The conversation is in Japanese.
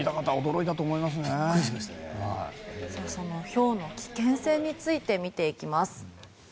ひょうの危険性について見ていきます。